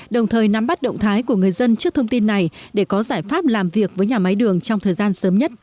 đồng thời nắm bắt động thái của người dân trước thông tin này để có giải pháp làm việc với nhà máy đường trong thời gian sớm nhất